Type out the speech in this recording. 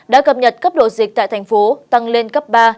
đã cập nhật cấp độ dịch tại tp cn tăng lên cấp ba